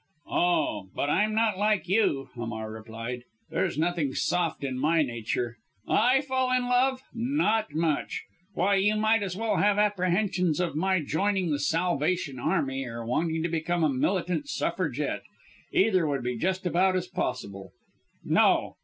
"Oh, but I'm not like you," Hamar replied. "There's nothing soft in my nature. I fall in love! Not much! Why, you might as well have apprehensions of my joining the Salvation Army, or wanting to become a Militant Suffragette either would be just about as possible. No